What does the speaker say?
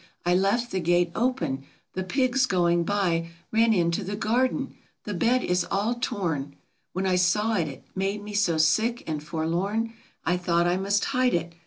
I left the gate open — the pigs going by Ran into the garden ! The bed is all torn. When I saw it it made me so sick and forlorn, I thought I must hide it.